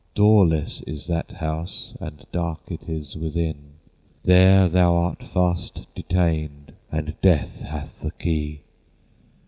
Doorless is that house, And dark it is within; There thou art fast detained And Death hath the key.